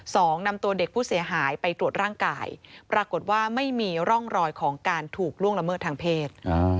สองนำตัวเด็กผู้เสียหายไปตรวจร่างกายปรากฏว่าไม่มีร่องรอยของการถูกล่วงละเมิดทางเพศ